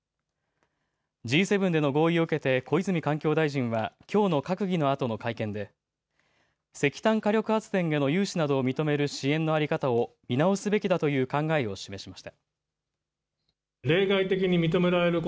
Ｇ７での合意を受けて小泉環境大臣はきょうの閣議のあとの会見で石炭火力発電への融資などを認める支援の在り方を見直すべきだという考えを示しました。